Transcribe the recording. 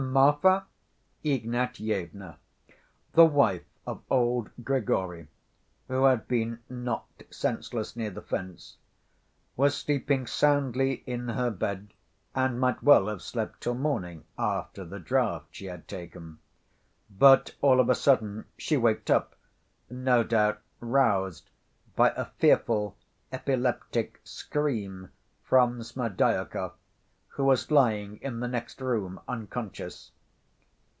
Marfa Ignatyevna, the wife of old Grigory, who had been knocked senseless near the fence, was sleeping soundly in her bed and might well have slept till morning after the draught she had taken. But, all of a sudden she waked up, no doubt roused by a fearful epileptic scream from Smerdyakov, who was lying in the next room unconscious.